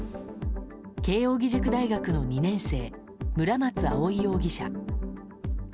慶應義塾大学の２年生村松葵容疑者。